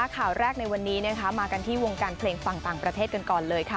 ข่าวแรกในวันนี้มากันที่วงการเพลงฝั่งต่างประเทศกันก่อนเลยค่ะ